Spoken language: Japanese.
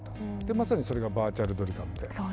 まさにそれが「ヴァーチャルドリカム」で。